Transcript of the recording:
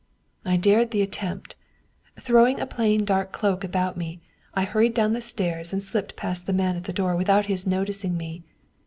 I dared the attempt. Throwing a plain dark cloak about me, I hurried down the stairs and slipped past the man at the door without his noticing me.